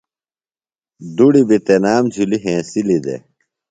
دُڑیۡ بیۡ تنام جُھلیۡ ہینسِلی دےۡ